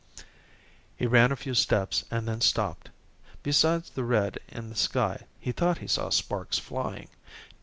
He ran a few steps, and then stopped. Besides the red in the sky, he thought he saw sparks flying.